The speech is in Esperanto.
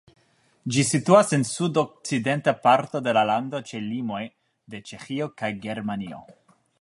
Ĝi situas en sudokcidenta parto de la lando ĉe limoj de Ĉeĥio kaj Germanio.